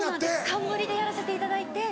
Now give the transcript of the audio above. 冠でやらせていただいて。